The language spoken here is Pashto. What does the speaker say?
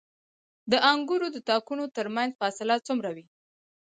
د انګورو د تاکونو ترمنځ فاصله څومره وي؟